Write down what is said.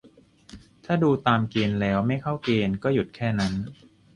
ถ้าดูตามเกณฑ์แล้ว ไม่เข้าเกณฑ์ ก็หยุดแค่นั้น